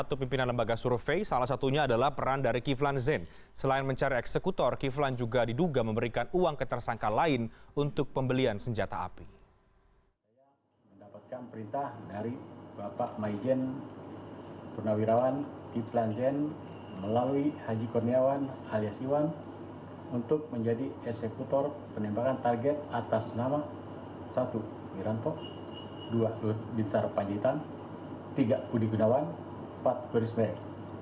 untuk menjadi eksekutor penembakan target atas nama satu miranto dua lut bitsar panjitan tiga kudigunawan empat berisberik